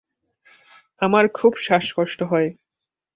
আমার খুব শ্বাস কষ্ট হয়।